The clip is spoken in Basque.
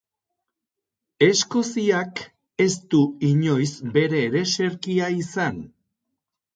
Eskoziak ez du inoiz bere ereserkia izan.